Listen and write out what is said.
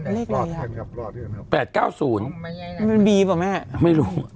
เลขรอบครับ๘๙๐มันบีป่ะแม่ไม่รู้